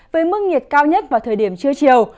với mức nhiệt cao nhất vào thời điểm trưa chiều